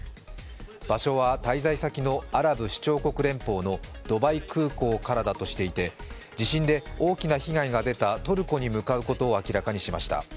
場所は、滞在先のアラブ首長国連邦のドバイ空港からだとしていて、地震で大きな被害が出たトルコに向かうことを明らかにしました。